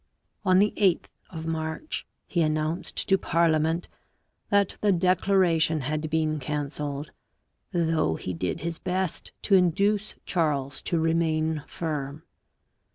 On the 8th of March he announced to parliament that the declaration had been cancelled, though he did his best to induce Charles to remain firm.